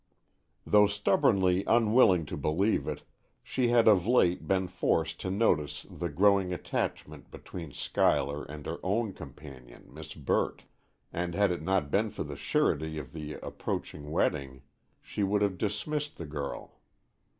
Though stubbornly unwilling to believe it, she had of late been forced to notice the growing attachment between Schuyler and her own companion, Miss Burt, and had it not been for the surety of the approaching wedding, she would have dismissed the girl.